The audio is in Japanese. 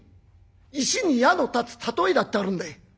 石に矢の立つ例えだってあるんだい。